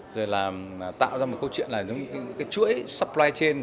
rồi là tạo ra một câu chuyện là những cái chuỗi supply trên